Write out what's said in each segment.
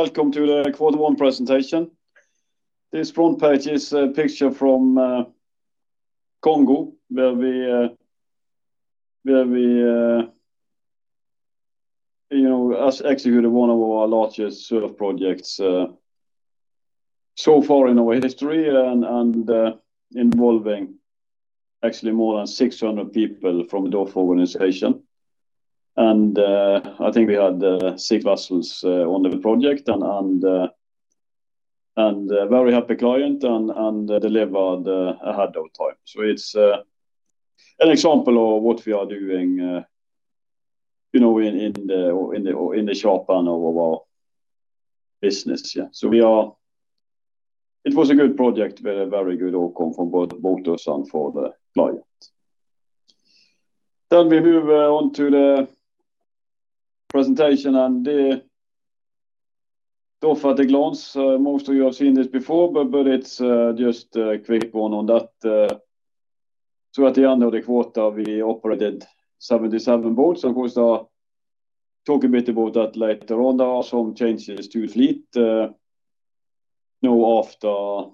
Welcome to the Quarter One presentation. This front page is a picture from Congo, where us executed one of our largest set of projects so far in our history and involving actually more than 600 people from the DOF organization. I think we had six vessels on the project and a very happy client and delivered ahead of time. It's an example of what we are doing in the sharp end of our business. It was a good project with a very good outcome from both of us and for the client. We move on to the presentation and the DOF at a glance. Most of you have seen this before, but it's just a quick one on that. At the end of the quarter, we operated 77 boats. Of course, I'll talk a bit about that later on. Some changes to fleet now after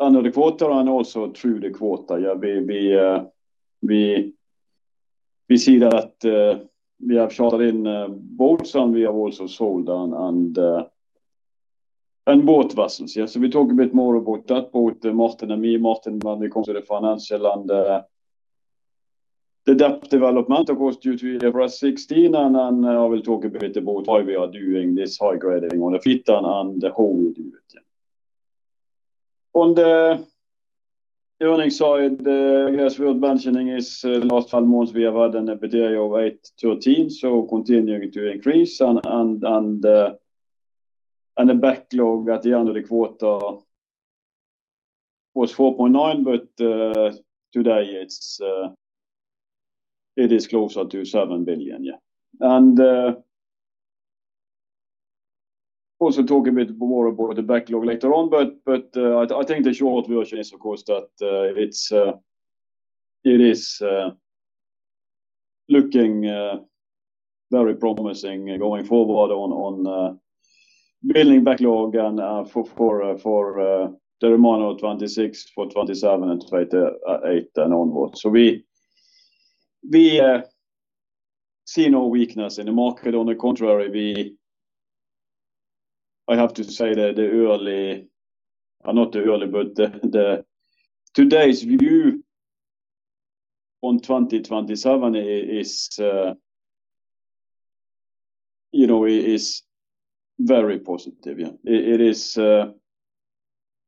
another quarter and also through the quarter. We see that we have chartered in boats and we have also sold one boat vessel. We talk a bit more about that boat, Martin and me. Martin, when we come to the financial and the development, of course, due to the IFRS 16, and I will talk a bit about how we are doing this high grading on the fleet and how we do it. On the earning side, I guess worth mentioning is the last 12 months we have had an EBITDA of 813, continuing to increase and the backlog at the end of the quarter was 4.9, today it is closer to 7 billion. Also talk a bit more about the backlog later on, but I think the short version is, of course, that it is looking very promising going forward on building backlog and for the remainder of 2026, for 2027 and 2028 and onwards. We see no weakness in the market. On the contrary, I have to say that today's view on 2027 is very positive.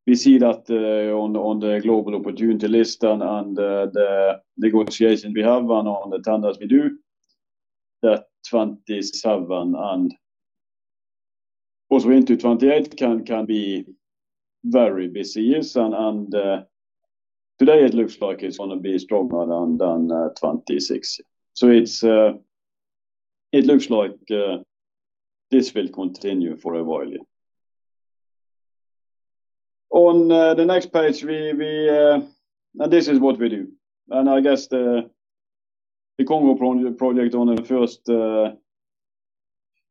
We see that on the global opportunity list and the negotiations we have and on the tenders we do that 2027 and also into 2028 can be very busy years. Today it looks like it's going to be stronger than 2026. It looks like this will continue for a while yet. On the next page, this is what we do. I guess the Congo project on the first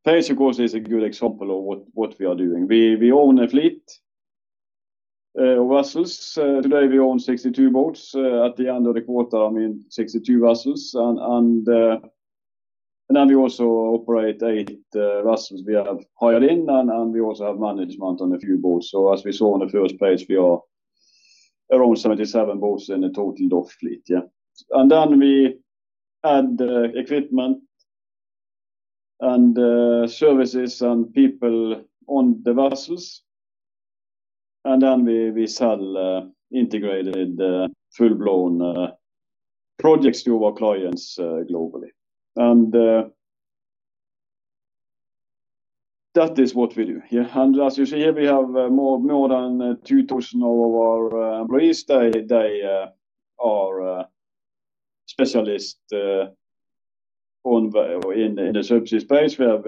page, of course, is a good example of what we are doing. We own a fleet of vessels. Today we own 62 boats at the end of the quarter, I mean, 62 vessels. We also operate eight vessels we have hired in and we also have management on a few boats. As we saw on the first page, we are around 77 boats in the total DOF fleet. We add equipment and services and people on the vessels. We sell integrated full-blown projects to our clients globally. That is what we do. As you see here, we have more than 2,000 of our employees. They are specialists in the subsea space where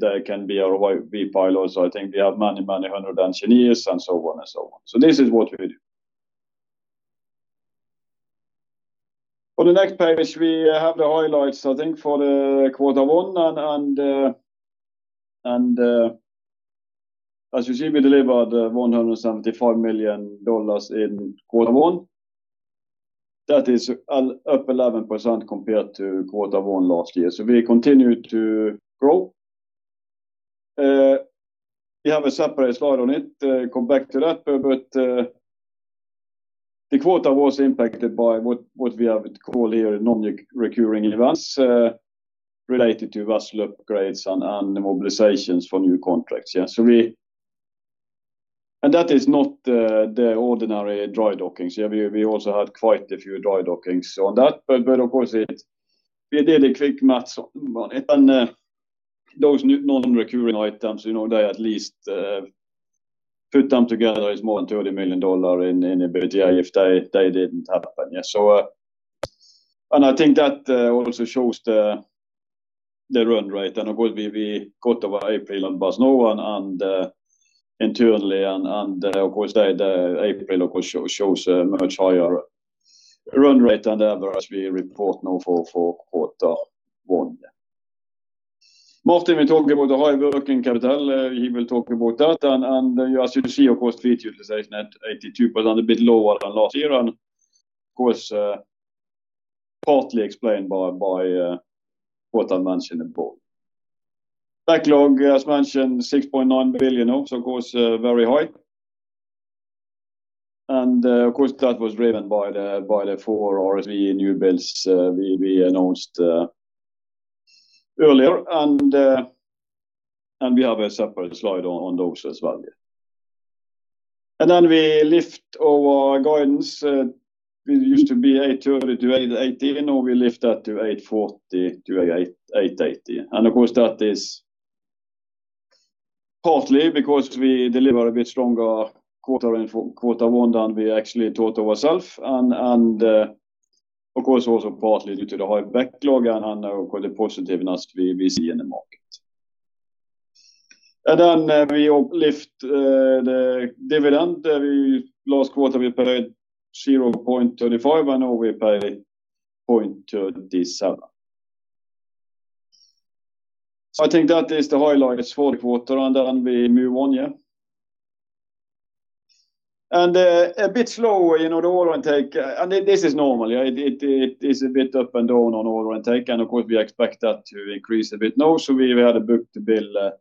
they can be our ROV pilots. I think we have many hundred engineers and so on and so on. This is what we do. On the next page, we have the highlights, I think, for the Quarter One. As you see, we delivered $175 million in Quarter One. That is up 11% compared to Quarter One last year. We continue to grow. We have a separate slide on it. Come back to that. The quarter was impacted by what we have called here non-recurring events related to vessel upgrades and the mobilizations for new contracts. That is not the ordinary dry dockings. We also had quite a few dry dockings on that. Of course, we did a quick math on it and those non-recurring items, they at least put them together is more than $30 million in EBITDA if they didn't happen. I think that also shows the run rate and of course we got over April and Basno and internally and of course the April, of course, shows a much higher run rate and then whereas we report now for quarter one. Martin will talk about the high working capital. As you see, of course, fleet utilization at 82%, a bit lower than last year, and of course, partly explained by what I mentioned before. Backlog, as mentioned, 6.9 billion, of course, very high. Of course, that was driven by the four RSV newbuilds we announced earlier. We have a separate slide on those as well. We lift our guidance. We used to be 830 million-880 million. Now we lift that to 840 million-880 million. Of course, that is partly because we delivered a bit stronger Quarter One than we actually thought ourself, of course, also partly due to the high backlog and the positiveness we see in the market. Then we uplift the dividend. Last quarter, we paid 0.35, now we pay 0.37. I think that is the highlights for the Quarter, then we move on. A bit slower, the order intake. This is normal. It is a bit up and down on order intake, of course, we expect that to increase a bit now. We had a book-to-bill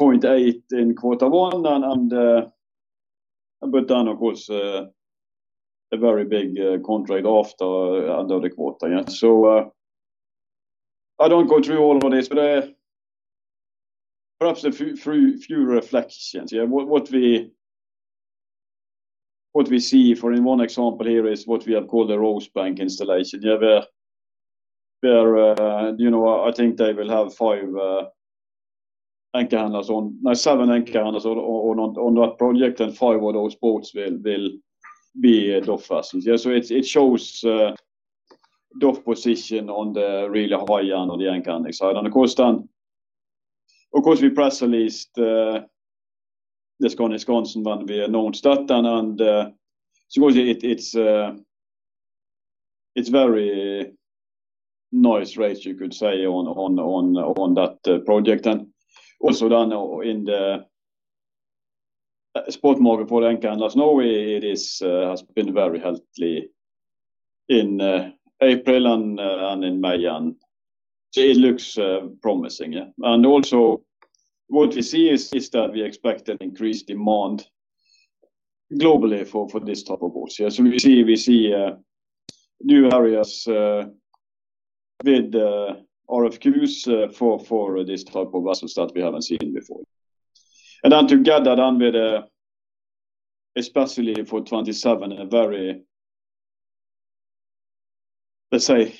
0.8 in Quarter One, then, of course, a very big contract after the end of the Quarter. I don't go through all of this, perhaps a few reflections. What we see for in one example here is what we have called the Rosebank installation, where I think they will have five anchor handlers on number, seven anchor handlers on that project, and five of those boats will be DOF vessels. It shows DOF position on the really high end of the anchor handling side. We press released the Skandi Skansen when we announced that. It is very nice rates, you could say, on that project. Also then in the spot market for the anchor handlers now, it has been very healthy in April and in May, and it looks promising, yeah. Also what we see is that we expect an increased demand globally for this type of boats. We see new areas with RFQs for this type of vessels that we haven't seen before. Together with especially for 2027, let's say,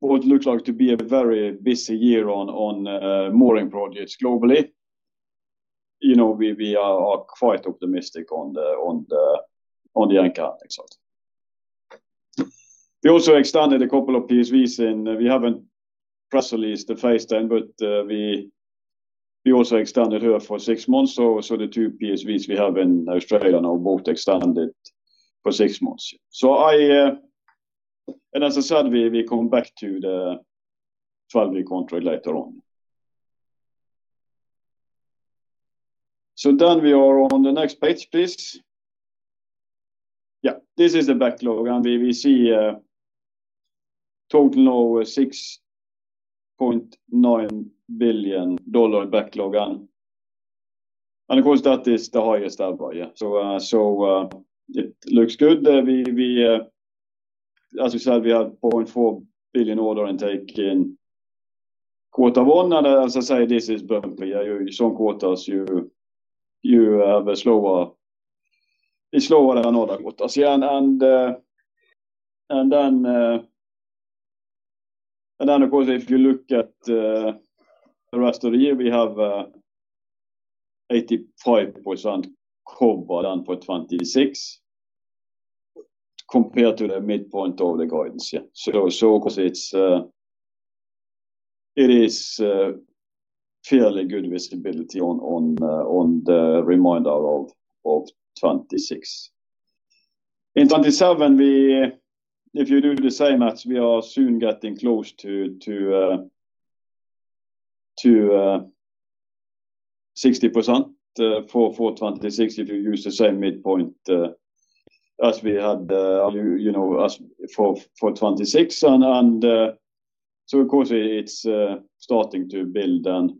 what looks like to be a very busy year on mooring projects globally. We are quite optimistic on the anchor handling side. We also extended a couple of PSVs, and we haven't press released the Skandi Feistein, but we also extended her for six months. The 2 PSVs we have in Australia now both extended for six months. As I said, we come back to the 12-year contract later on. We are on the next page, please. This is the backlog, we see a total of NOK 6.9 billion backlog, that is the highest ever. As we said, we had 0.4 billion order intake in Q1, this is bumpy. Some quarters is slower than other quarters. Of course, if you look at the rest of the year, we have 85% covered on for 2026 compared to the midpoint of the guidance. Of course, it is fairly good visibility on the remainder of 2026. In 2027, if you do the same math, we are soon getting close to 60% for 2026 if you use the same midpoint as we had for 2026. Of course, it's starting to build.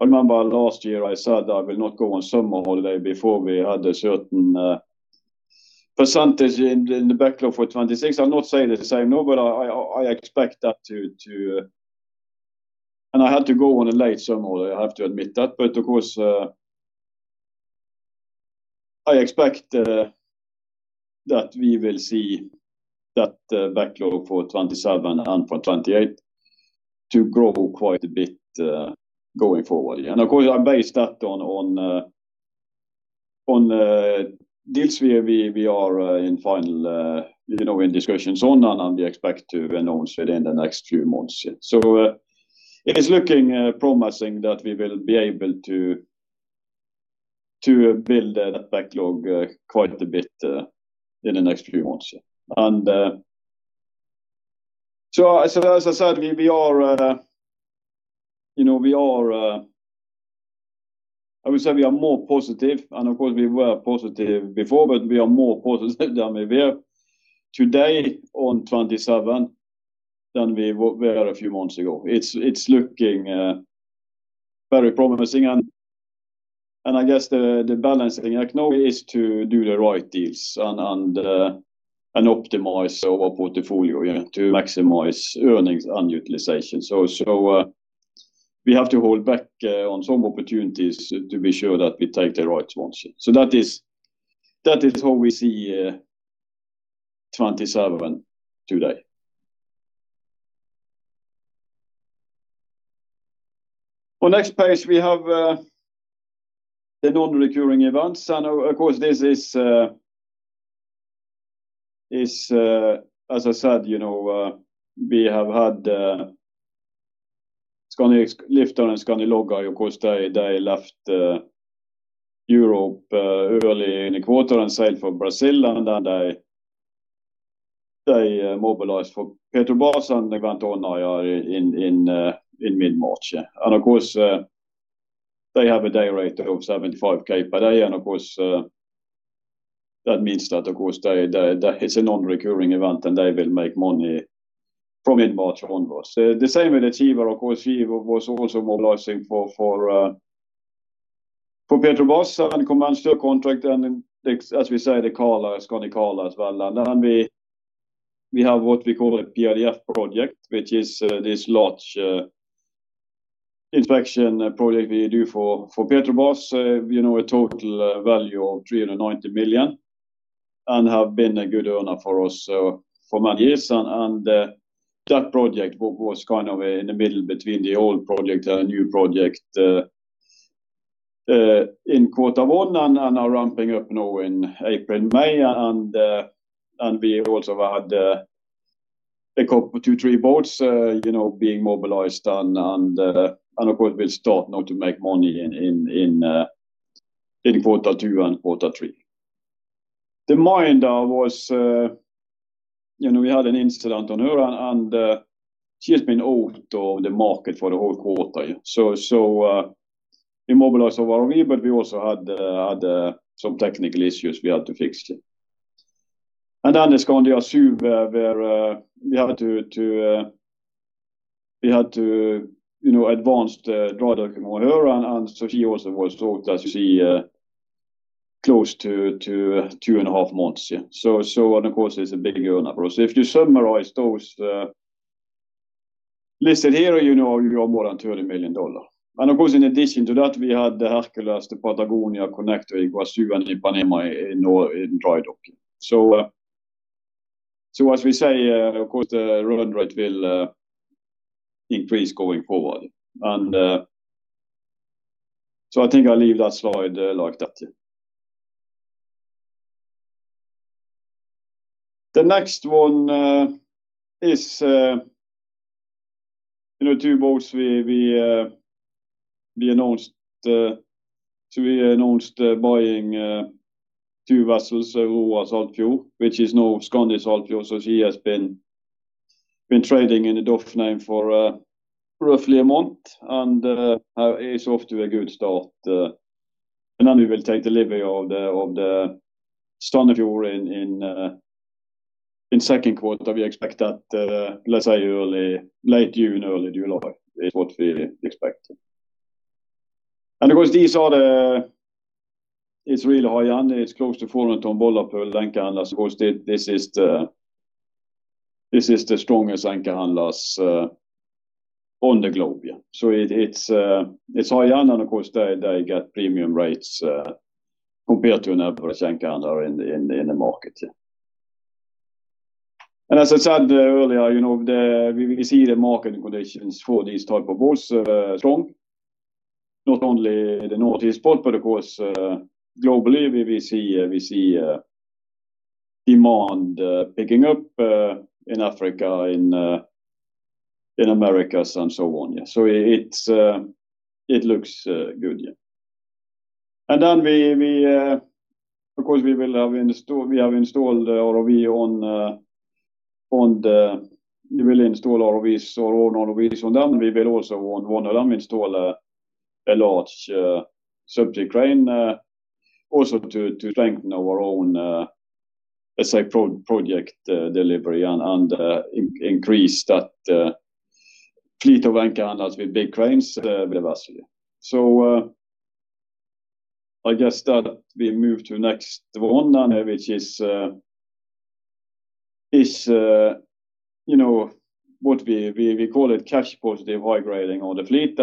Remember last year I said I will not go on summer holiday before we had a certain percentage in the backlog for 2026. I'm not saying the same now. I had to go on a late summer holiday, I have to admit that. Of course, I expect that we will see that backlog for 2027 and for 2028 to grow quite a bit going forward. Of course, I base that on deals we are in final discussions on, and we expect to announce it in the next few months. It is looking promising that we will be able to build that backlog quite a bit in the next few months. As I said, we are more positive. Of course, we were positive before, but we are more positive than we were today on 2027 than we were a few months ago. It's looking very promising and I guess the balancing act now is to do the right deals and optimize our portfolio to maximize earnings and utilization. We have to hold back on some opportunities to be sure that we take the right ones. That is how we see 2027 today. On next page, we have the non-recurring events. As I said, we have had the Skandi Lifter and Skandi Logga, of course, they left Europe early in the quarter and sailed for Brazil. They mobilized for Petrobras and went on in mid-March. They have a day rate of 75,000 per day and of course, that means that it's a non-recurring event and they will make money from mid-March onwards. The same with the Skandi Chieftain. Skandi Chieftain was also mobilizing for Petrobras and commenced their contract and as we say, the Skandi Carla as well. We have what we call a PIDF project, which is this large inspection project we do for Petrobras with total value of 390 million and have been a good earner for us for many years. That project was in the middle between the old project and new project in Quarter 1 and are ramping up now in April, May. We also had two, three boats being mobilized and of course, we'll start now to make money in Quarter two and Quarter three. The Skandi Minder, we had an incident on her and she has been out of the market for the whole quarter. We mobilized our ROV, but we also had some technical issues we had to fix. The Skandi Açu where we had to advance the dry dock on her she also was out, as you see close to two and a half months. Of course, it's a big earner for us. If you summarize those listed here, you have more than $30 million. Of course, in addition to that, we had the Hercules, the Patagonia, Connector, Iguaçu, and Ipanema in dry docking. As we say, of course, the run rate will increase going forward. I think I'll leave that slide like that. The next one is two boats we announced buying two vessels, Aurora Saltfjord, which is now Skandi Saltfjord. She has been trading in the DOF name for roughly a month and is off to a good start. Then we will take delivery of the Sandefjord in second quarter. We expect that let's say late June, early July is what we expect. Of course, it's really high and it's close to 400 ton bollard pull anchor handlers. Of course, this is the strongest anchor handlers on the globe. It's high and of course, they get premium rates compared to an average anchor handler in the market. As I said earlier, we see the market conditions for these type of boats strong, not only in the North Sea, but of course, globally we see demand picking up in Africa, in Americas and so on. It looks good. We will install our own ROVs. Then we will also on one of them install a large subsea crane also to strengthen our own project delivery and increase that fleet of anchor handlers with big cranes with vessels. I guess that we move to next one then which is what we call it cash positive high grading on the fleet.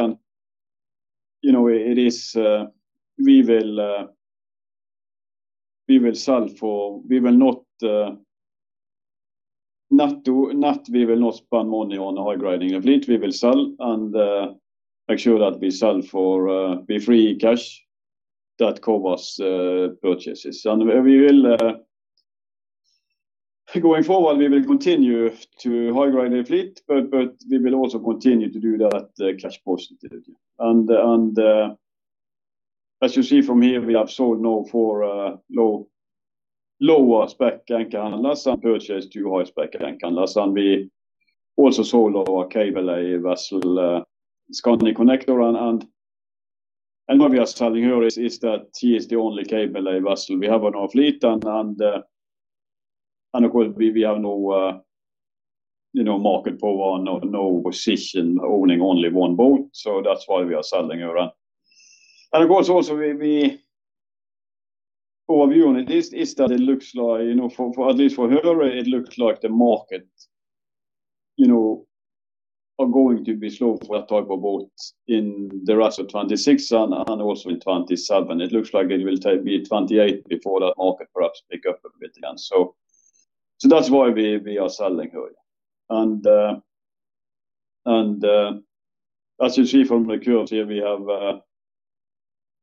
We will not spend money on high grading the fleet. We will sell and make sure that we sell for free cash that covers purchases. Going forward, we will continue to high-grade the fleet, but we will also continue to do that cash positive. As you see from here, we have sold now four lower spec anchor handling vessel, purchased two high-spec anchor handling vessel. We also sold our cable lay vessel, Skandi Connector. What we are selling here is that she is the only cable lay vessel we have on our fleet, and of course, we have no market power, no position owning only one boat. That's why we are selling her. Of course, also our view on it is that it looks like, at least for her, it looks like the market are going to be slow for that type of boat in the rest of 2026 and also in 2027. It looks like it will be 2028 before that market perhaps pick up a bit again. That's why we are selling her. As you see from the curve here, we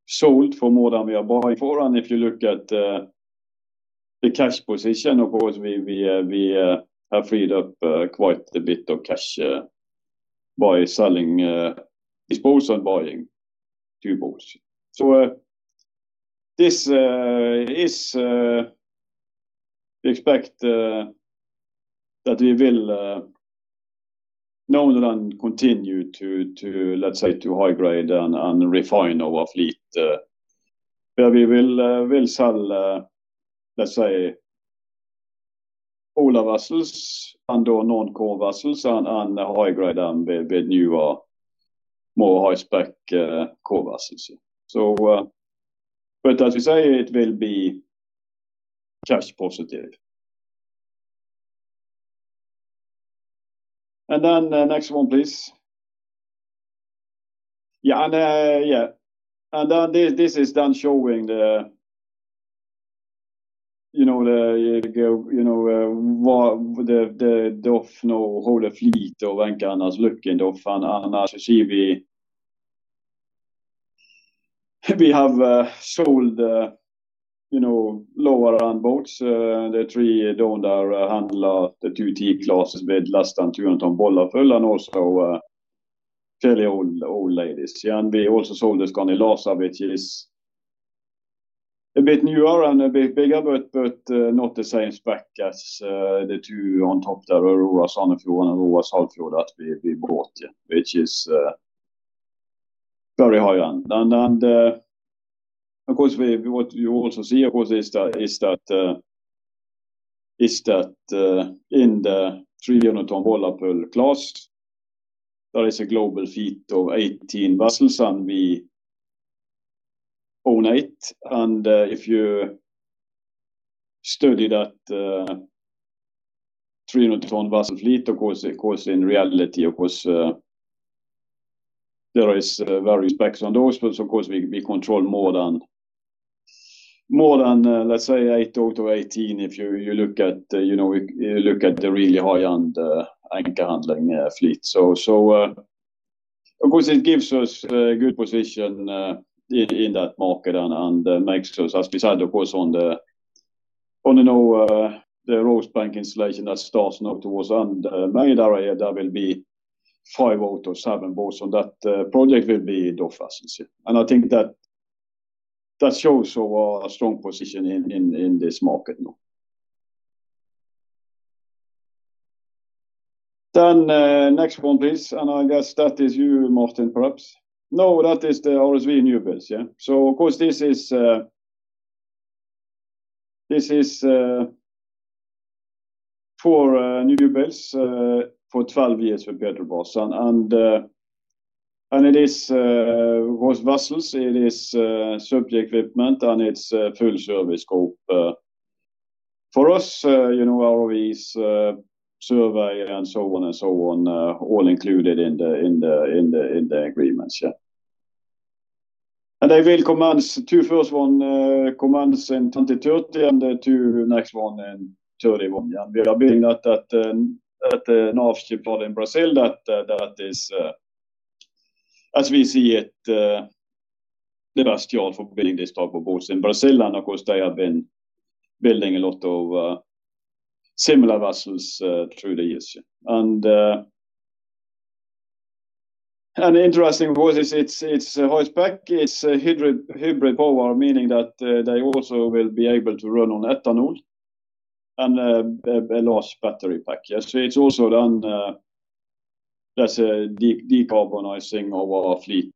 have sold for more than we have bought for. If you look at the cash position, of course, we have freed up quite a bit of cash by selling, disposing, buying two boats. We expect that we will now continue to, let's say, to high-grade and refine our fleet. Where we will sell, let's say, older vessels and/or non-core vessels and high-grade them with newer, more high-spec core vessels. As we say, it will be cash positive. Next one, please. This is then showing how the fleet of anchor handling is looking. As you see, we have sold lower-end boats. The three down there, handlers, the two T-classes with less than 200 tonnes bollard pull and also fairly old ladies. We also sold Skandi Laser, which is a bit newer and a bit bigger, but not the same spec as the two on top there, Aurora Sandefjord and Aurora Saltfjord that we bought, which is very high-end. Of course, what you also see, of course, is that in the 300 tonnes bollard pull class, there is a global fleet of 18 vessels, and we own eight. If you study that 300 tonnes vessel fleet, of course, in reality, there is varying specs on those. Of course, we control more than, let's say, 8 out of 18 if you look at the really high-end anchor handling fleet. Of course, it gives us a good position in that market and makes us, as we said, of course, on the Rosebank installation that starts now towards end of May, there will be five out of seven boats on that project will be DOF vessels. I think that shows our strong position in this market now. Next one, please. I guess that is you, Martin, perhaps. No, that is the RSV newbuilds. Of course, this is four newbuilds for 12 years for Petrobras. It is with vessels, it is subsea equipment, and it’s full service scope. For us, ROV, surveyor, and so on and so on, all included in the agreements. Yeah. They will commence, the first one commence in 2030, and the two next one in 2031. We are building at a Navship yard in Brazil that is, as we see it, the best yard for building this type of boats in Brazil. Of course, they have been building a lot of similar vessels through the years. Interesting, of course, it's high spec. It's hybrid power, meaning that they also will be able to run on ethanol and a large battery pack. It's also then, that's decarbonizing our fleet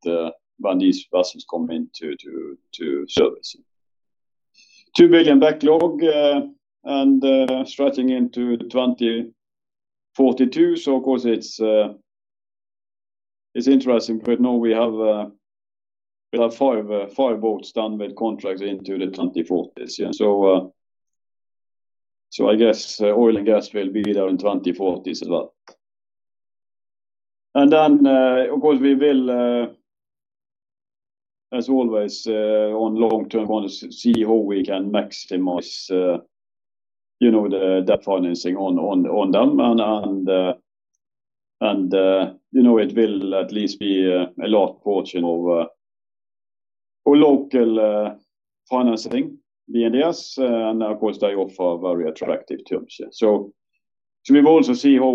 when these vessels come into service. 2 billion backlog and stretching into 2042. Of course, it's interesting because now we have 5 boats done with contracts into the 2040s. I guess oil and gas will be there in 2040s a lot. Then, of course, we will, as always, on long-term ones, see how we can maximize the financing on them. It will at least be a large portion of, or local financing via BNDES, and of course, they offer very attractive terms. We will also see how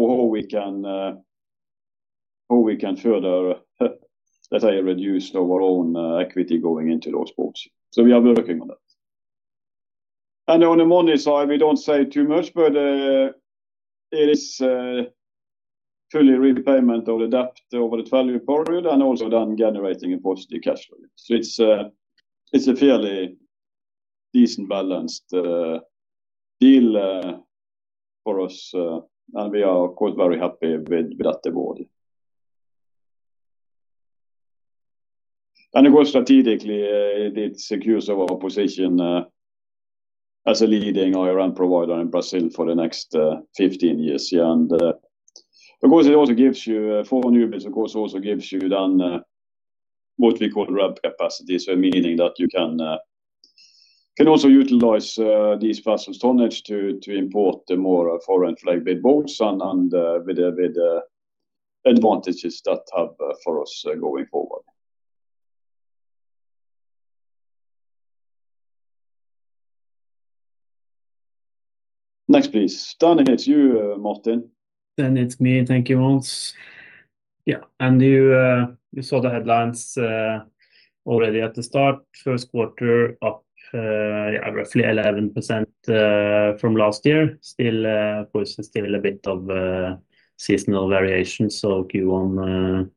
we can further, let's say, reduce our own equity going into those boats. We are working on that. On the money side, we don't say too much, but it is fully repayment of the debt over the value period and also then generating a positive cash flow. It's a fairly decent balanced deal for us, and we are, of course, very happy with that award. Of course, strategically, it secures our position as a leading IRM provider in Brazil for the next 15 years. Yeah, and, of course, it also gives you foreign vessels, of course, also gives you then what we call ramp capacity. Meaning that you can also utilize these vessels' tonnage to import more foreign flagged vessels and with the advantages that have for us going forward. Next, please. It's you, Martin. Then it's me. Thank you, Mons. Yeah. You saw the headlines already at the start. First quarter up, yeah, roughly 11% from last year. Of course, still a bit of seasonal variation. Q1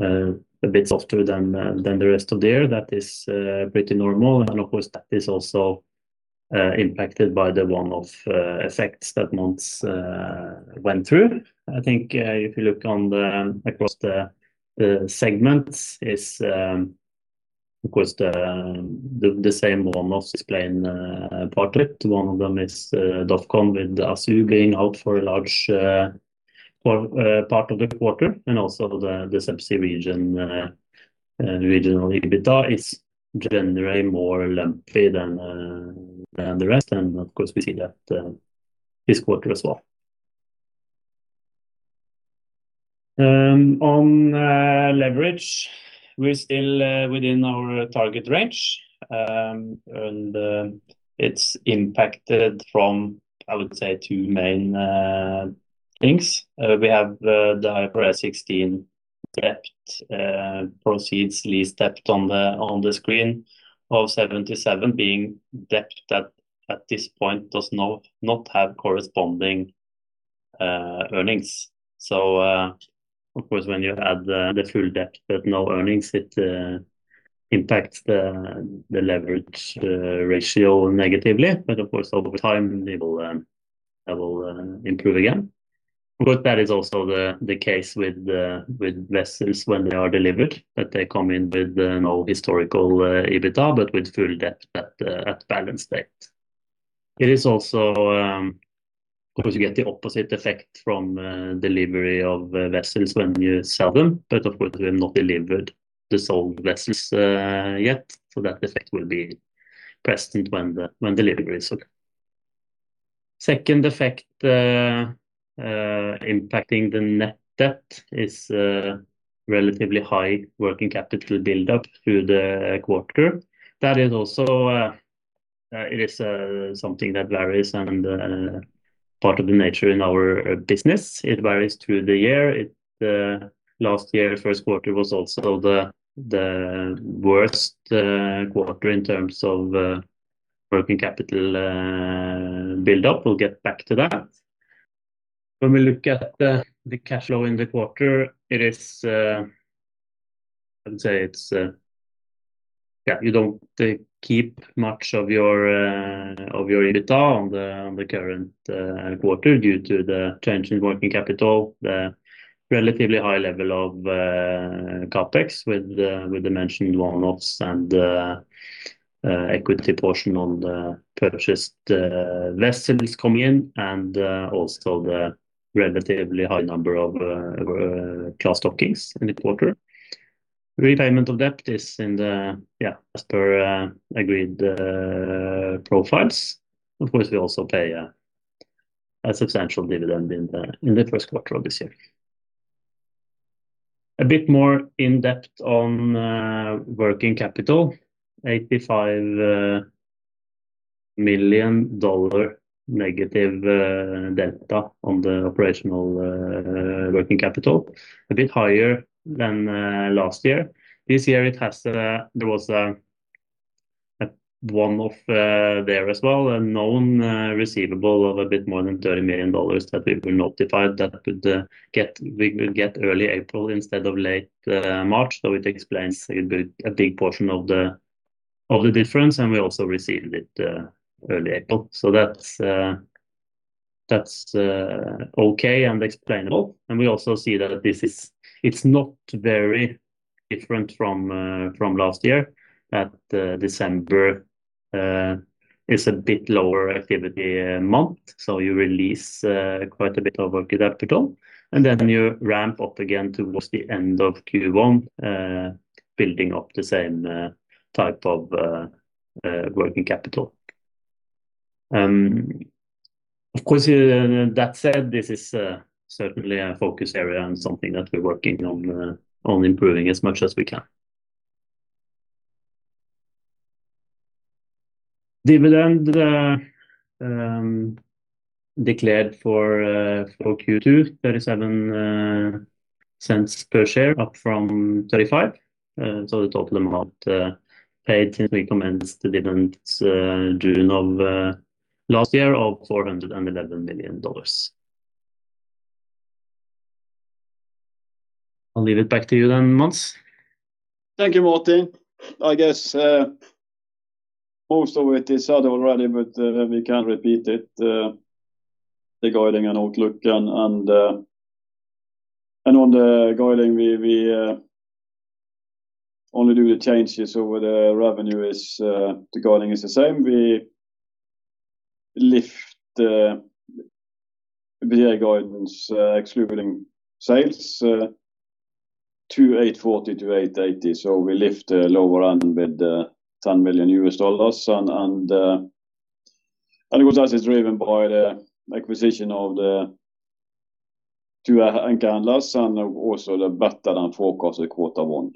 a bit softer than the rest of the year. That is pretty normal, and of course, that is also impacted by the one-off effects that Mons went through. I think if you look across the segments is, of course, the same one was explained partly. One of them is DOFCON with the Açu being out for a large part of the quarter, and also the Subsea region. Regional EBITDA is generally more lumpy than the rest, and of course, we see that this quarter as well. On leverage, we're still within our target range. It's impacted from, I would say two main things. We have the IFRS 16 debt proceeds, lease debt on the screen of 77 being debt that at this point does not have corresponding earnings. Of course, when you add the full debt but no earnings, it impacts the leverage ratio negatively, but of course, over time, they will improve again. Of course, that is also the case with vessels when they are delivered, that they come in with no historical EBITDA, but with full debt at balance date. It is also, of course, you get the opposite effect from delivery of vessels when you sell them, but of course, we have not delivered the sold vessels yet. That effect will be present when delivery is okay. Second effect impacting the net debt is relatively high working capital buildup through the quarter. That is also something that varies and part of the nature in our business. It varies through the year. Last year, first quarter was also the worst quarter in terms of working capital buildup. We'll get back to that. When we look at the cash flow in the quarter, I would say it's, you don't keep much of your EBITDA on the current quarter due to the change in working capital, the relatively high level of CapEx with the mentioned one-offs and equity portion on the purchased vessels coming in and also the relatively high number of class dockings in the quarter. Repayment of debt is in the, as per agreed profiles. Of course, we also pay a substantial dividend in the first quarter of this year. A bit more in-depth on working capital, $85 million- delta on the operational working capital, a bit higher than last year. This year, there was one off there as well, a known receivable of a bit more than $30 million that we were notified that we could get early April instead of late March. It explains a big portion of the difference, and we also received it early April. That's okay and explainable. We also see that it's not very different from last year that December is a bit lower activity month. You release quite a bit of working capital, and then you ramp up again towards the end of Q1, building up the same type of working capital. Of course, that said, this is certainly a focus area and something that we're working on improving as much as we can. Dividend declared for Q2, $0.37 per share, up from $0.35. The total amount paid since we commenced dividend June of last year of $411 million. I'll leave it back to you then, Mons. Thank you, Martin. I guess most of it is said already. We can repeat it, the guiding and outlook. On the guiding, we only do the changes over the revenue is the guiding is the same. We lift the EBITDA guidance, excluding sales to $840 million-$880 million. We lift the lower end with $10 million. Of course, that's driven by the acquisition of the Skandi Saltfjord and the Skandi Sandefjord and also the better than forecast of Quarter 1.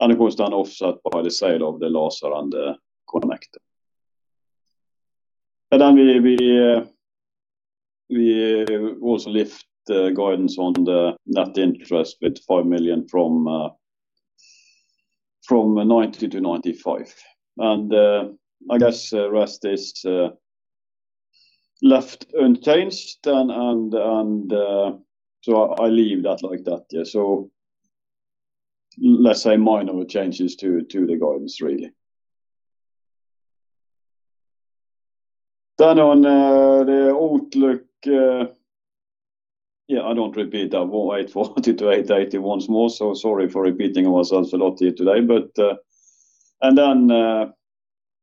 Of course, then offset by the sale of the Skandi Laser and the Skandi Connector. Then we also lift the guidance on the net interest with $5 million from $90 million-$95 million. I guess the rest is left unchanged. I leave that like that. Let's say minor changes to the guidance really. On the outlook, I don't repeat that 840-880 once more. Sorry for repeating ourselves a lot here today.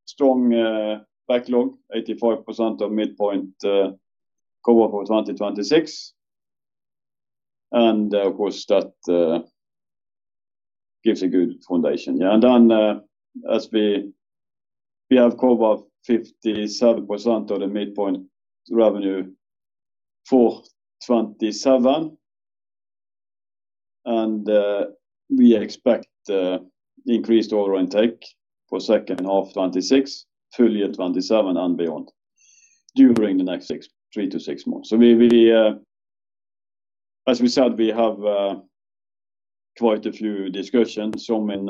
Strong backlog, 85% of midpoint cover for 2026. Of course, that gives a good foundation. Yeah. As we have cover of 57% of the midpoint revenue for 2027. We expect increased order intake for second half 2026, full year 2027 and beyond during the next three to six months. As we said, we have quite a few discussions, some in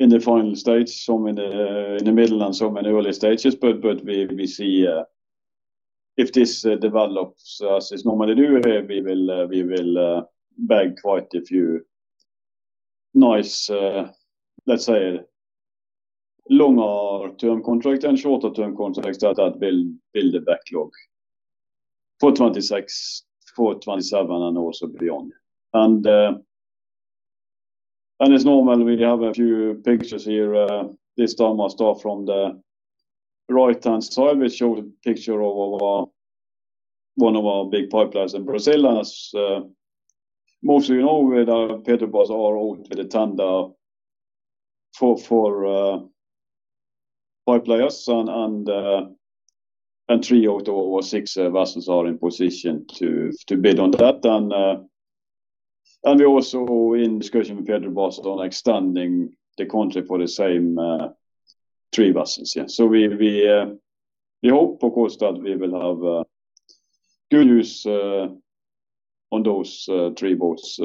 the final stage, some in the middle, and some in early stages. We see if this develops as is normally do here, we will bag quite a few nice let's say longer term contracts and shorter term contracts that will build the backlog for 2026, for 2027, and also beyond. As normal, we have a few pictures here. This time I start from the right-hand side, which show a picture of one of our big pipelines in Brazil. As most of you know, Petrobras are out with a tender for pipelines, and three out of our six vessels are in position to bid on that. We are also in discussion with Petrobras on extending the contract for the same three vessels. Yeah. We hope, of course, that we will have good news on those three boats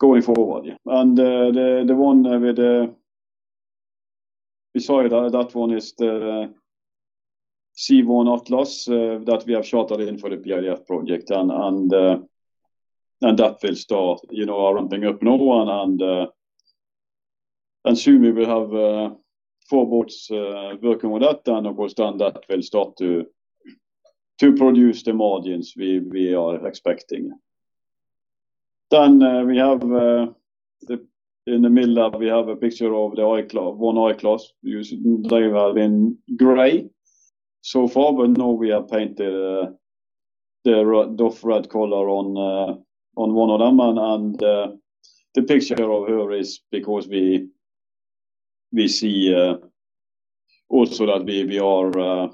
going forward. Yeah. The 1 beside it, that one is the Sievo and Atlas that we have chartered in for the PIDF project, and that will start ramping up now. Soon we will have four boats working with that. Of course, then that will start to produce the margins we are expecting. In the middle, we have a picture of 1 I-class. They were in gray so far, now we have painted the DOF red color on one of them. The picture of her is because we see also that we are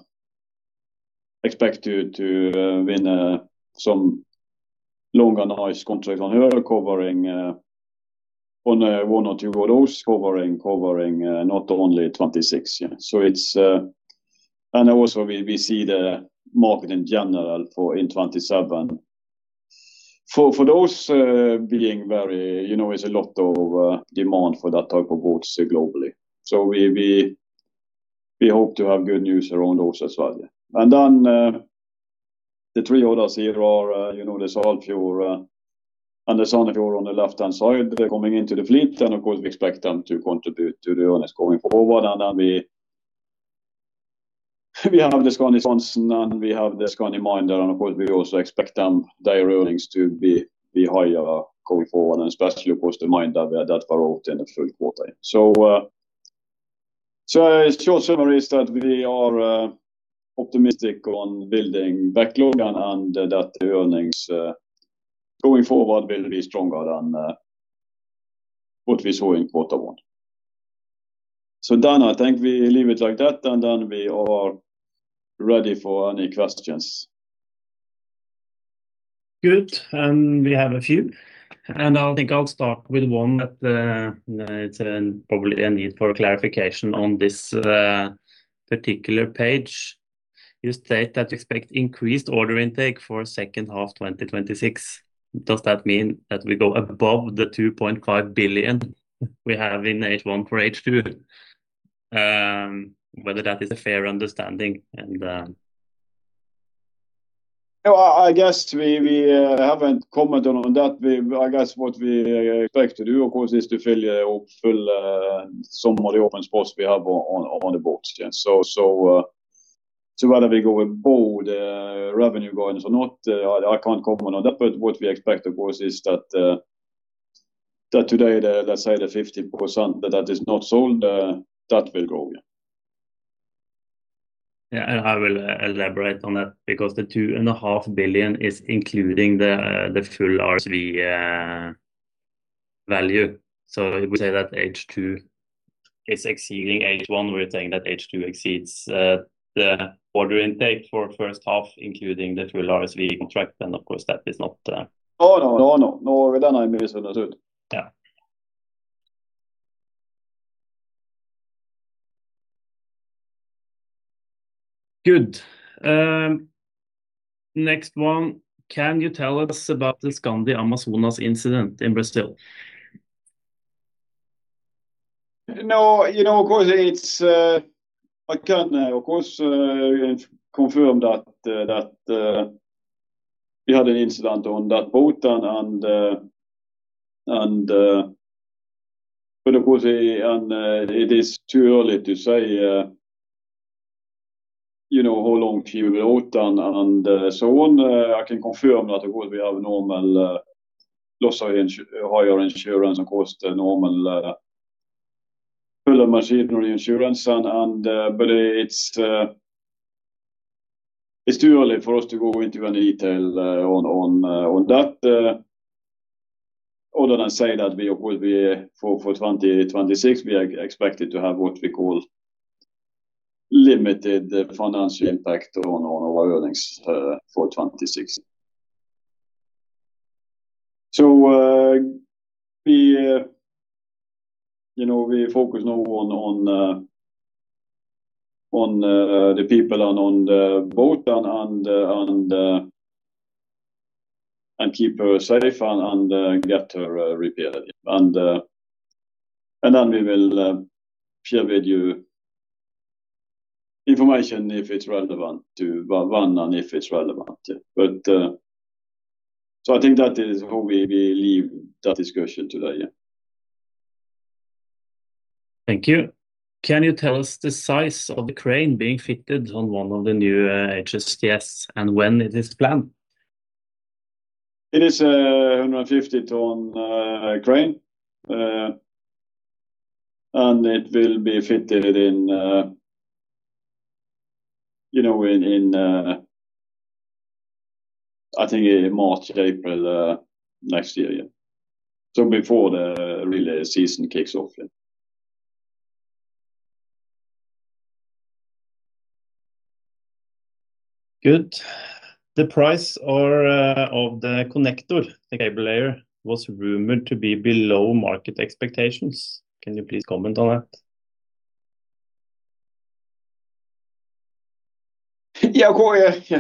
expected to win some long and nice contract on her covering on one or two years covering not only 2026. Yeah. Also we see the market in general in 2027. It's a lot of demand for that type of boats globally. We hope to have good news around those as well. Yeah. The three others here are the Skandi Saltfjord and the Skandi Sandefjord on the left-hand side coming into the fleet. Of course, we expect them to contribute to the earnings going forward. We have the Skandi Skansen, and we have t`he Skandi Minder, and of course, we also expect their earnings to be higher going forward, and especially of course the Minder that were out in the full quarter. In short summary is that we are optimistic on building backlog and that the earnings going forward will be stronger than what we saw in quarter one. I think we leave it like that, and then we are ready for any questions. Good. We have a few, and I think I'll start with one that it's probably a need for clarification on this particular page. You state that you expect increased order intake for second half 2026. Does that mean that we go above the $2.5 billion we have in H1 for H2? Whether that is a fair understanding. No, I guess we haven't commented on that. I guess what we expect to do, of course, is to fill some of the open spots we have on the books. Whether we go above the revenue guidance or not, I can't comment on that. What we expect, of course, is that today, let's say the 50% that is not sold, that will grow, yeah. Yeah, I will elaborate on that because the $2.5 billion is including the full RSV value. If we say that H2 is exceeding H1, we're saying that H2 exceeds the order intake for first half including the full RSV contract. No, no. Not within our Yeah. Good. Next one. Can you tell us about the Skandi Amazonas incident in Brazil? No. I can of course confirm that we had an incident on that boat and it is too early to say how long she will be out and so on. I can confirm that, of course, we have normal loss of hire insurance, of course, the normal full machine insurance. It's too early for us to go into any detail on that. Other than say that for 2026, we are expected to have what we call limited financial impact on our earnings for 2026. We focus now on the people on the boat and keep her safe and get her repaired. We will share with you information if it's relevant to one and if it's relevant. I think that is how we leave that discussion today, yeah. Thank you. Can you tell us the size of the crane being fitted on one of the new AHTS and when it is planned? It is 150 ton crane. It will be fitted in, I think in March or April next year, yeah. Before the reel-lay season kicks off, yeah. Good. The price of the Skandi Connector, the cable layer, was rumored to be below market expectations. Can you please comment on that? Yeah. Of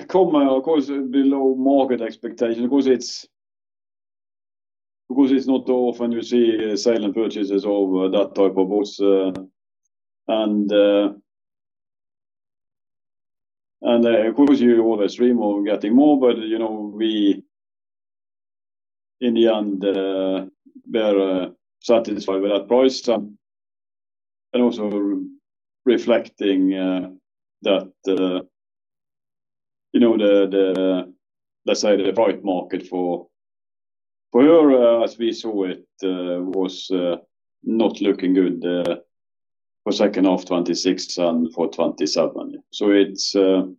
course, below market expectation because it's not often you see sale and purchases of that type of boats. Of course you always dream of getting more, but we in the end, were satisfied with that price. Also reflecting that, let's say the right market for her as we saw it was not looking good for second half 2026 and for 2027.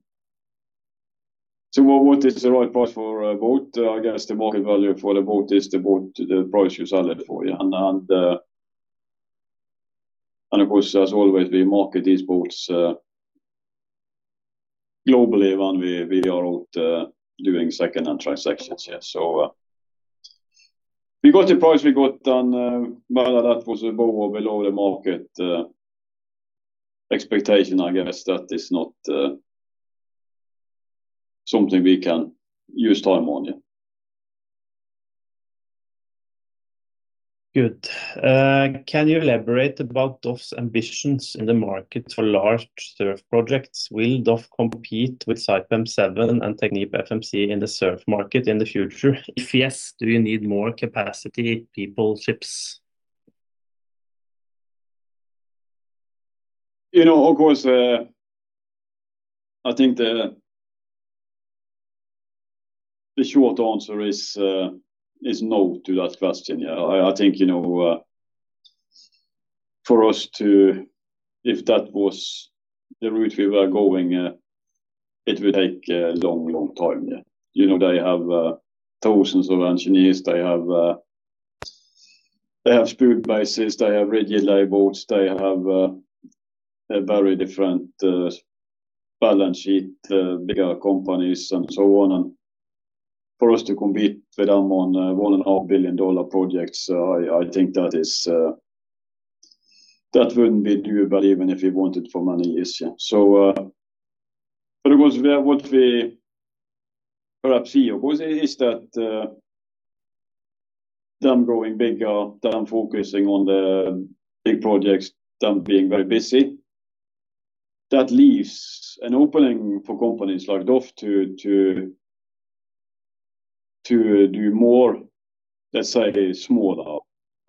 What is the right price for a boat? I guess the market value for the boat is the price you sell it for, yeah. Of course, as always, we market these boats globally when we are out doing second-hand transactions, yeah. We got the price we got and whether that was above or below the market expectation, I guess that is not something we can use time on, yeah. Good. Can you elaborate about DOF's ambitions in the market for large SURF projects? Will DOF compete with Saipem 7 and TechnipFMC in the SURF market in the future? If yes, do you need more capacity, people, ships? Of course, I think the short answer is no to that question. I think for us, if that was the route we were going, it would take a long time. They have thousands of engineers. They have spud barges. They have rigid reel-lay vessels. They have a very different balance sheet, bigger companies and so on. For us to compete with them on $1.5 billion projects, I think that wouldn't be doable even if we wanted for money issue. What we perhaps see is that them growing bigger, them focusing on the big projects, them being very busy, that leaves an opening for companies like DOF to do more, let's say, smaller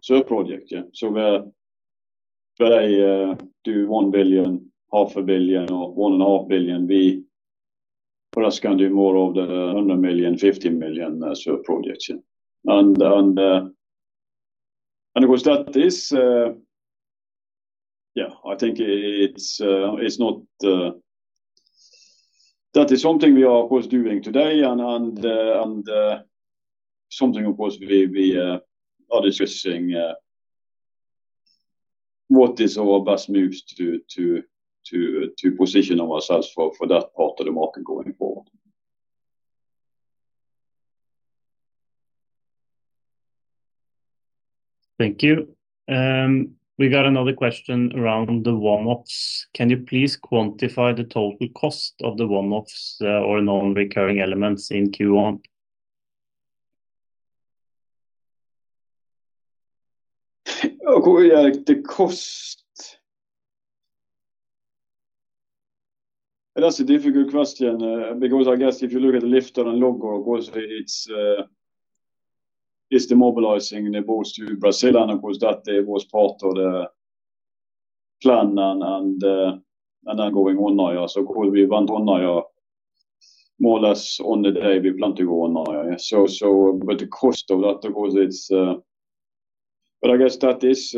sub-projects. Where they do 1 billion, NOK half a billion, or $1.5 billion, we perhaps can do more of the NOK 100 million, NOK 50 million sub-projects. I think that is something we are doing today and something, of course, we are discussing what is our best moves to position ourselves for that part of the market going forward. Thank you. We got another question around the one-offs. Can you please quantify the total cost of the one-offs or non-recurring elements in Q1? The cost. That's a difficult question because I guess if you look at the Lifter and Logga, it's demobilizing the boats to Brazil, that was part of the plan and then going on hire. We went on hire more or less on the day we planned to go on hire. The cost of that, of course, I guess that is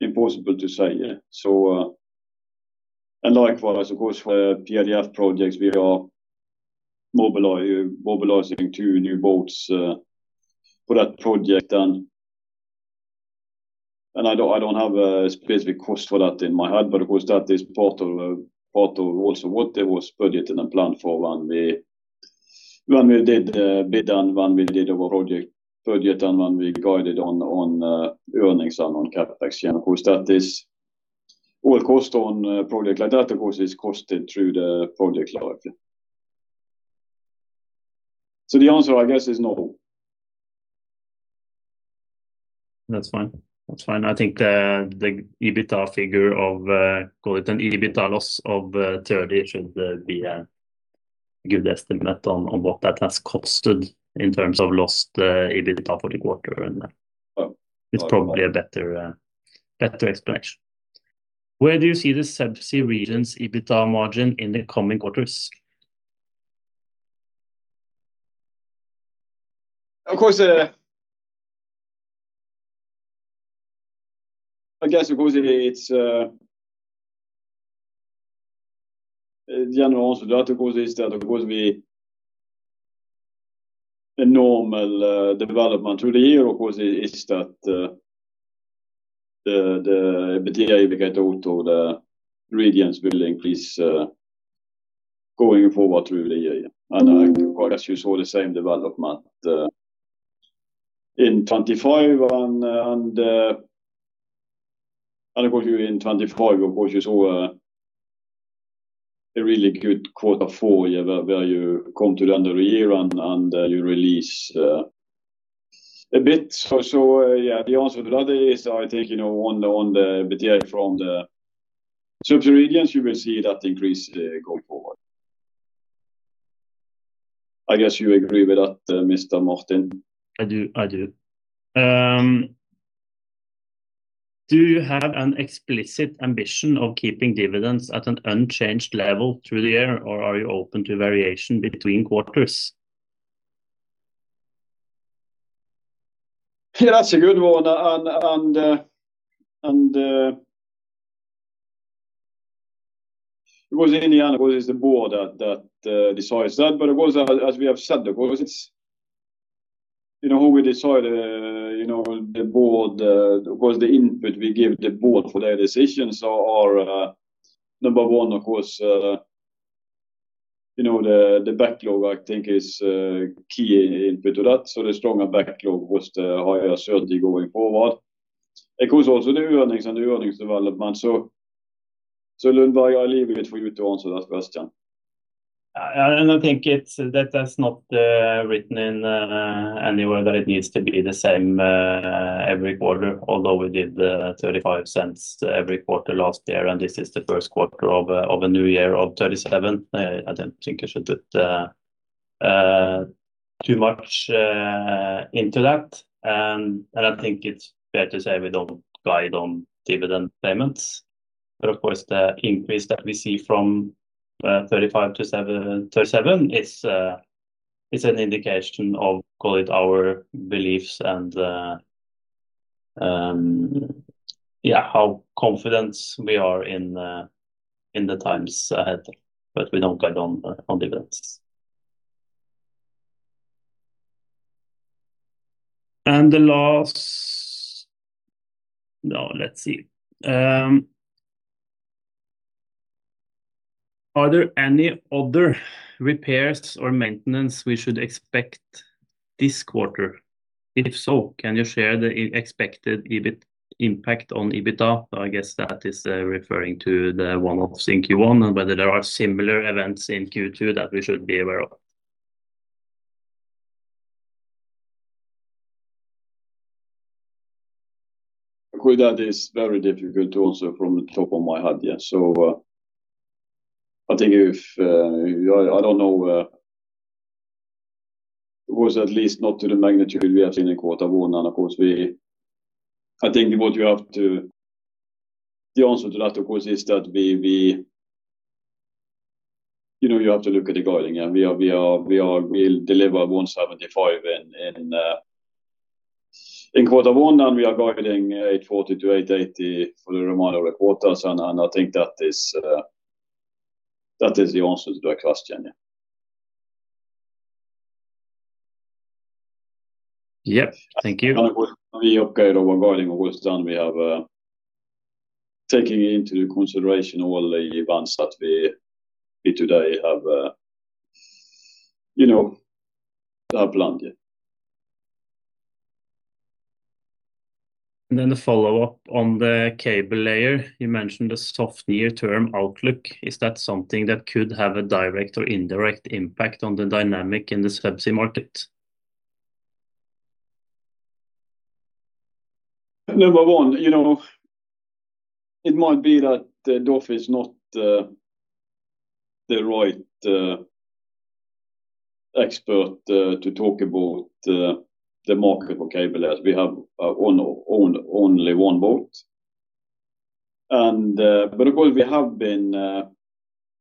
impossible to say. Likewise, of course, for the PIDF projects, we are mobilizing two new boats for that project, and I don't have a specific cost for that in my head. Of course, that is part of also what was budgeted and planned for when we did the bid and when we did our project budget, and when we guided on earnings and on CapEx. That is all cost on project life. That, of course, is costed through the project life. The answer, I guess, is no. That's fine. I think the EBITDA figure of, call it an EBITDA loss of 30 should be a good estimate on what that has costed in terms of lost EBITDA for the quarter. Yeah It's probably a better explanation. Where do you see the Subsea regions EBITDA margin in the coming quarters? The general answer to that, of course, is that a normal development through the year, of course, is that the EBITDA you get out of the regions will increase going forward through the year. I guess you saw the same development in 2025, and in 2025, of course, you saw a really good quarter four where you come to the end of the year and you release a bit. Yeah, the answer to that is, I think, on the EBITDA from the subsea regions, you will see that increase going forward. I guess you agree with that, Mr. Martin? I do. Do you have an explicit ambition of keeping dividends at an unchanged level through the year, or are you open to variation between quarters? Yeah, that's a good one. In the end, of course, it's the board that decides that. Of course, as we have said, when we decide, the input we give the board for their decisions are number one, of course, the backlog I think is a key input to that. The stronger backlog boasts a higher certainty going forward. Of course, also the earnings and the earnings development. Lundberg, I leave it for you to answer that question. I think that that's not written in anywhere that it needs to be the same every quarter, although we did $0.35 every quarter last year, and this is the 1st quarter of a new year of $0.37. I don't think I should put too much into that. I think it's fair to say we don't guide on dividend payments. Of course, the increase that we see from $0.35 to $0.37 It's an indication of, call it our beliefs and how confident we are in the times ahead, but we don't guide on events. The last, let's see. Are there any other repairs or maintenance we should expect this quarter? If so, can you share the expected impact on EBITDA? I guess that is referring to the one-offs in Q1, and whether there are similar events in Q2 that we should be aware of. That is very difficult to answer from the top of my head. I don't know. Of course, at least not to the magnitude we have seen in Quarter one. I think the answer to that, of course, is that you have to look at the guiding. We will deliver $175 million in Quarter one, and we are guiding 840 million-880 million for the remaining quarters. I think that is the answer to that question. Yep. Thank you. When we upgrade our guiding, what was done, we have taken into consideration all the events that we today have planned. Then the follow-up on the cable layer. You mentioned a soft near-term outlook. Is that something that could have a direct or indirect impact on the dynamic in the subsea market? Number one, it might be that DOF is not the right expert to talk about the market for cable layers. We have only one boat. Of course, we have been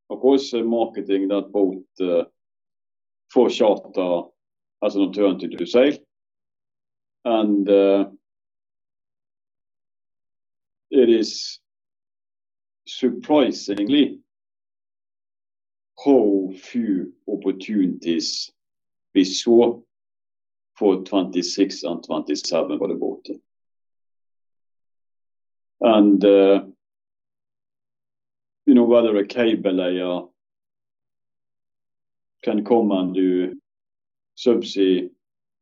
also marketing that boat for charter as an alternative to sale, and it is surprisingly how few opportunities we saw for 2026 and 2027 for the boat. Whether a cable layer can come and do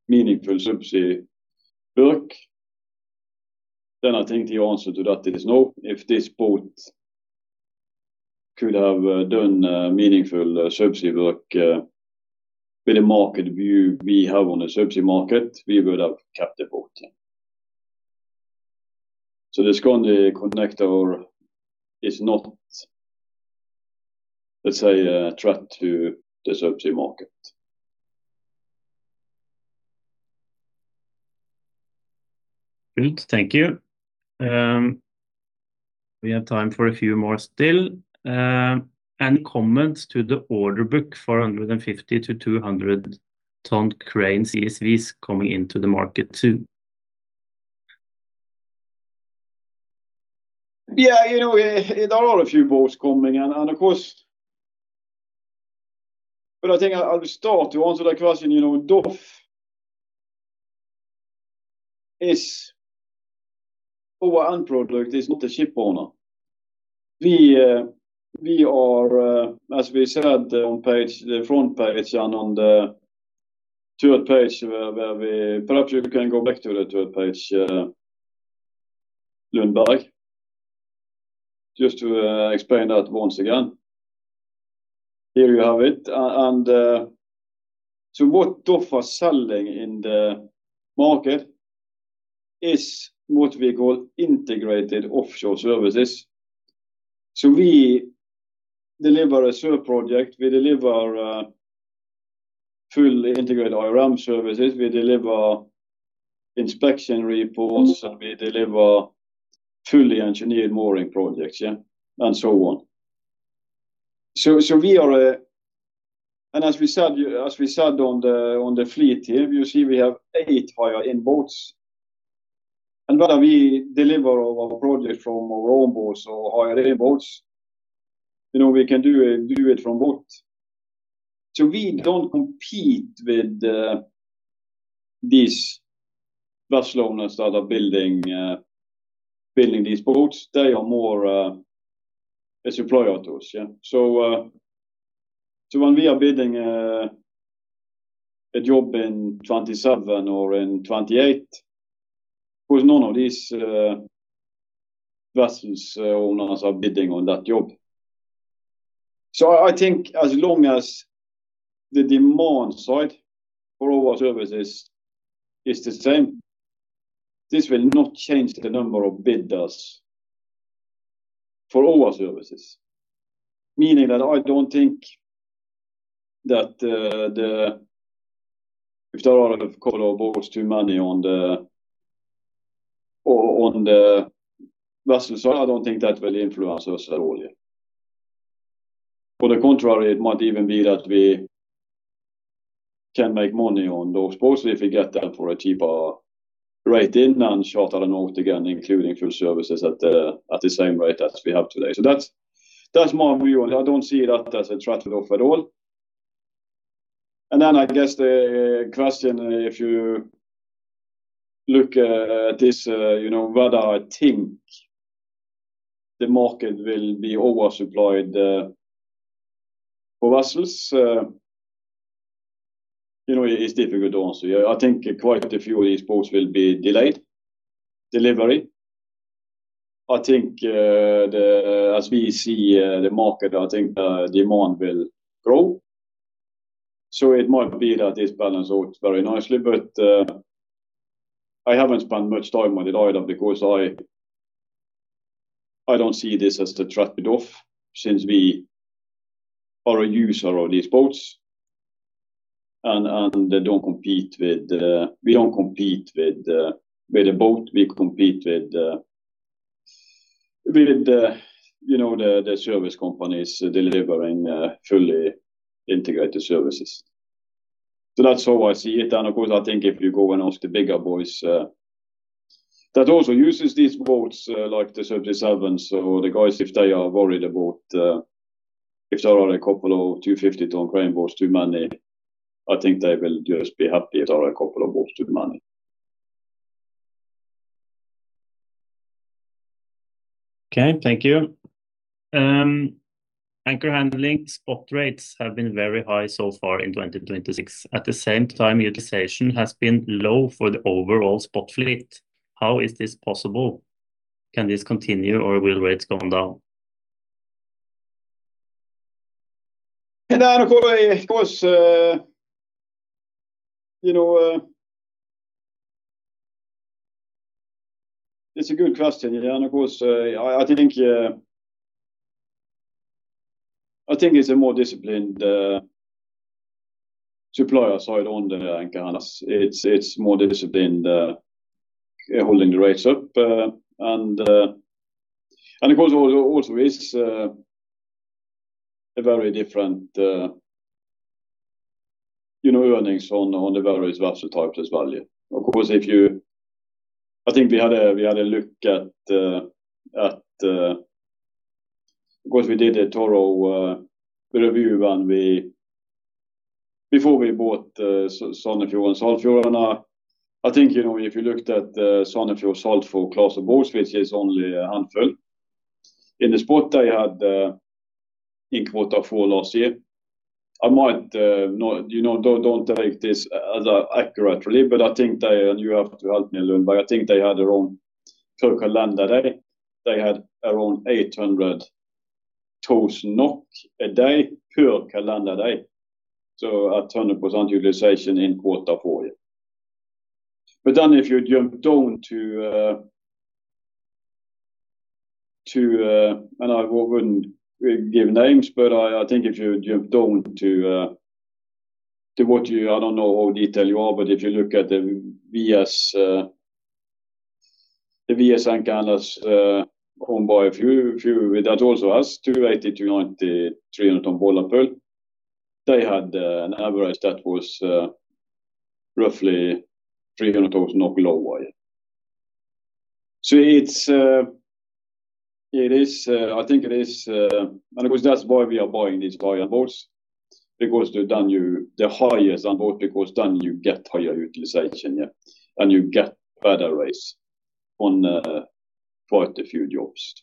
meaningful subsea work, then I think the answer to that is no. If this boat could have done meaningful subsea work with the market view we have on the subsea market, we would have kept the boat. The Skandi Connector is not, let's say, a threat to the subsea market. Good. Thank you. We have time for a few more still. Any comments to the order book for 150 ton-200 ton cranes CSVs coming into the market too? There are a few boats coming in. I think I'll start to answer that question. Our end product is not a ship owner. As we said on the front page and on the third page where we Perhaps you can go back to the third page, Lundberg, just to explain that once again. Here you have it. What DOF are selling in the market is what we call integrated offshore services. We deliver a SURF project. We deliver fully integrated IRM services. We deliver inspection reports, and we deliver fully engineered mooring projects, and so on. As we said on the fleet here, you see we have eight higher end boats. Whether we deliver our project from our own boats or higher end boats, we can do it from both. We don't compete with these vessel owners that are building these boats. They are more a supplier to us. When we are bidding a job in 2027 or in 2028, with none of these vessels owners are bidding on that job. I think as long as the demand side for our services is the same, this will not change the number of bidders for our services. Meaning that I don't think that if there are a couple of boats too many on the vessel side, I don't think that will influence us at all. On the contrary, it might even be that we can make money on those boats if we get them for a cheaper rate in and charter them out again, including full services at the same rate that we have today. That's my view, and I don't see that as a threat at all. Then I guess the question, if you look at this, whether I think the market will be oversupplied for vessels. It's difficult to answer. I think quite a few of these boats will be delayed delivery. I think as we see the market, I think demand will grow. It might be that this balance out very nicely, but I haven't spent much time on it either because I don't see this as the threat at all, since we are a user of these boats and We don't compete with the boat. We compete with the service companies delivering fully integrated services. That's how I see it. Of course, I think if you go and ask the bigger boys that also uses these boats like Subsea 7 or the guys if they are worried about if there are a couple of 250 ton crane boats too many, I think they will just be happy if there are a couple of boats too many. Okay. Thank you. Anchor handling spot rates have been very high so far in 2026. At the same time, utilization has been low for the overall spot fleet. How is this possible? Can this continue, or will rates come down? It's a good question. I think it's a more disciplined supplier side on the anchor handlers. It's more disciplined holding the rates up, and of course, also is a very different earnings on the various vessel types as well. I think we had a look at, of course, we did a thorough review before we bought Sandefjord and Sandefjord. I think, if you looked at Sandefjord class of boats, which is only a handful. In the spot they had in quarter four last year. Don't take this as accurate, really, but you have to help me, Lundberg, but I think they had around per calendar day. They had around NOK 800,000 a day per calendar day. 100% utilization in quarter four. If you jump down to I wouldn't give names, but I think if you jump down to I don't know how detailed you are, but if you look at the AHTS anchor handlers owned by a few that also has 280, 290, 300 ton bollard pull, they had an average that was roughly 300,000 NOK low wide. I think it is, of course, that's why we are buying these higher boats, because they're higher on board, because then you get higher utilization, yeah. You get better rates on quite a few jobs.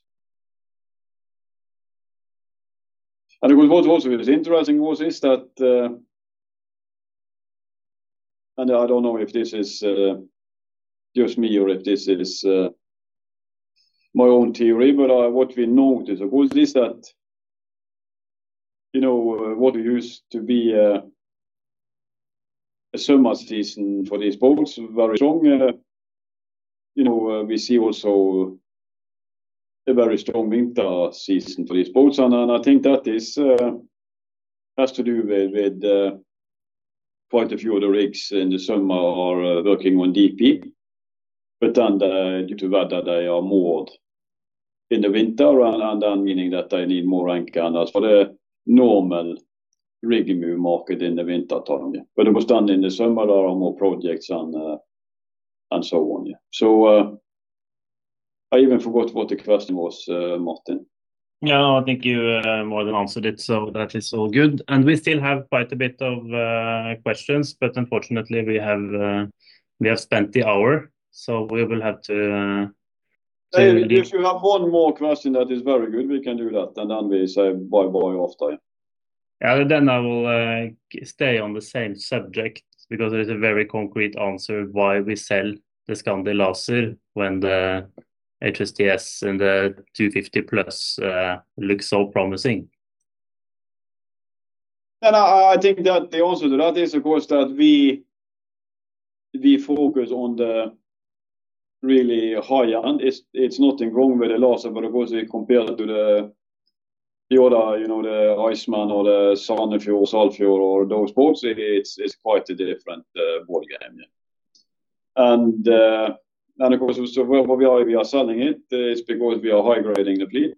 Of course, what also is interesting was this, that, I don't know if this is just me or if this is my own theory. What we know is, of course, is that, what used to be a summer season for these boats, very strong. We see also a very strong winter season for these boats. I think that has to do with quite a few of the rigs in the summer are working on DP. Due to weather, they are moored in the winter, meaning that they need more anchor handlers for the normal rig move market in the winter time. Of course, in the summer, there are more projects and so on. I even forgot what the question was, Martin. No, I think you more than answered it, so that is all good. We still have quite a bit of questions, but unfortunately, we have spent the hour, so we will have to. If you have one more question that is very good, we can do that, and then we say bye-bye after. Yeah. I will stay on the same subject because it is a very concrete answer why we sell the Skandi Laser when the AHTS and the 250+ looks so promising. I think that the answer to that is, of course, that we focus on the really high end. It's nothing wrong with the Skandi Laser, but of course, it compared to the Iola, the Skandi Iceman or the Skandi Sandefjord, or those boats, it's quite a different ball game. Of course, why we are selling it is because we are high-grading the fleet,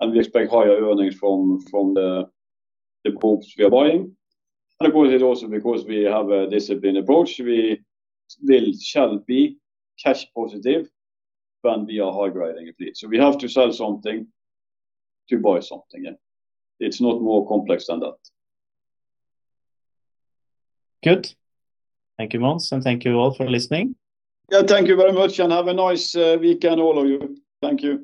and we expect higher earnings from the boats we are buying. Of course, it's also because we have a disciplined approach. We shall be cash positive when we are high-grading a fleet. We have to sell something to buy something. It's not more complex than that. Good. Thank you, Mons. Thank you all for listening. Thank you very much and have a nice weekend, all of you. Thank you.